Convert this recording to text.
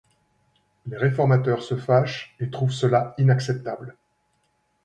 Les réformateurs se fâchent et trouvent cela inacceptable.